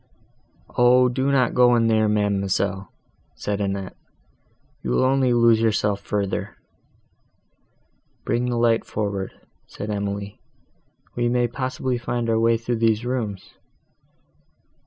"O! do not go in there, ma'amselle," said Annette, "you will only lose yourself further." "Bring the light forward," said Emily, "we may possibly find our way through these rooms."